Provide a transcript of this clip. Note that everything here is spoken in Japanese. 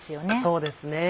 そうですね。